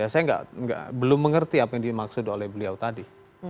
saya belum mengerti apa yang dimaksud oleh beliau tadi